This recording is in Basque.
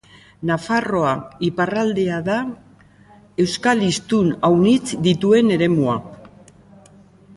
Nafarroa iparraldea da euskal hiztun aunitz dituen eremua